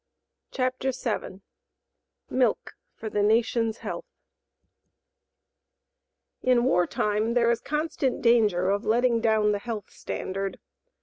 CHAPTER VII MILK FOR THE NATION'S HEALTH In war time there is constant danger of letting down the health standard.